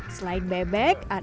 selain bebek ada juga